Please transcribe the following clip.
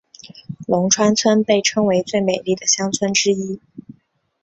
龙川村被称为最美丽的乡村之一。